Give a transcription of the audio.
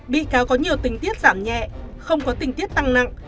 bị cáo có nhiều tình tiết giảm nhẹ không có tình tiết tăng nặng